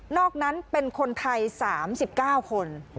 อกนั้นเป็นคนไทย๓๙คน